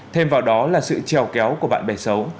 thêm vào đó là sự trèo kéo của bạn bè xấu